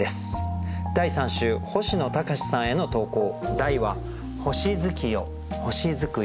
第３週星野高士さんへの投稿。